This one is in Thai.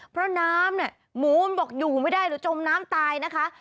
เพราะน้ำเนี่ยหมูมันบอกอยู่ไม่ได้หรือจมน้ำตายนะคะ